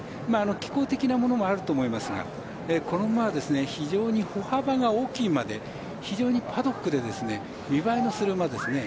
気候的なものがあると思いますがこの馬は非常に歩幅が大きい馬で非常にパドックで見栄えのする馬ですね。